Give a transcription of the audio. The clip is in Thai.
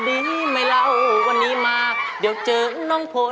ดีไม่เล่าวันนี้มาเดี๋ยวเจอน้องโพ